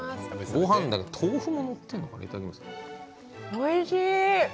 おいしい。